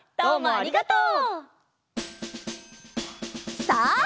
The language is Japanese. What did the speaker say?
ありがとう！